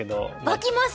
湧きます！